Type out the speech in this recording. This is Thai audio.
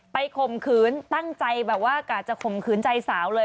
ข่มขืนตั้งใจแบบว่ากะจะข่มขืนใจสาวเลย